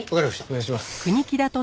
お願いします。